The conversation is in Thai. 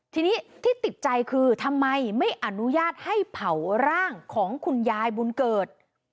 ทีนี้ที่ติดใจคือทำไมไม่อนุญาตให้เผาร่างของคุณยายบุญเกิด